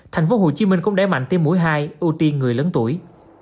tp hcm cũng đã mạnh tiêm mũi hai ưu tiên người lớn tuổi